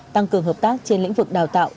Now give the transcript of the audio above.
tăng cường hợp tác trên lĩnh vực đào tạo